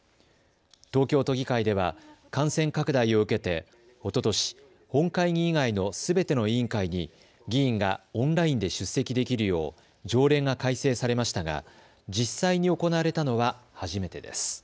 東京都議会では感染拡大を受けておととし本会議以外のすべての委員会に議員がオンラインで出席できるよう条例が改正されましたが実際に行われたのは初めてです。